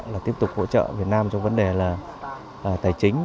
là tiếp tục hỗ trợ việt nam trong vấn đề là tài chính